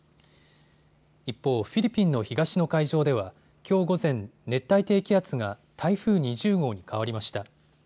一方、フィリピンの東の海上ではきょう午前、熱帯低気圧が台風２０号に変わりました。